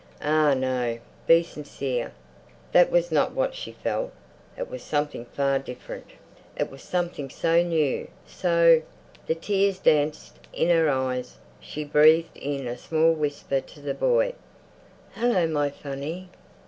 Ah no, be sincere. That was not what she felt; it was something far different, it was something so new, so.... The tears danced in her eyes; she breathed in a small whisper to the boy, "Hallo, my funny!"